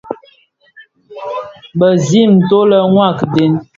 Bizim nto le mua a kiden.